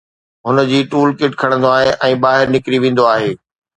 هن جي tool kit کڻندو آهي ۽ ٻاهر نڪري ويندو آهي